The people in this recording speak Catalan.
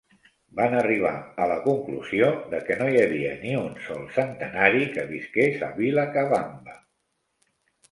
Van arribar a la conclusió de que no hi havia ni un sol centenari que visqués a Vilacabamba.